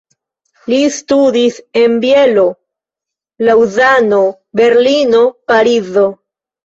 Li studis en Bielo, Laŭzano, Berlino, Parizo.